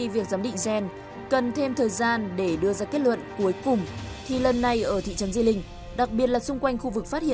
và bị sát hại giá man như vậy